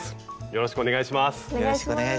よろしくお願いします。